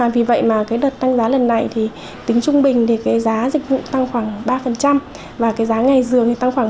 vì vậy đợt đăng giá lần này tính trung bình giá dịch vụ tăng khoảng ba và giá ngày dường tăng khoảng một mươi một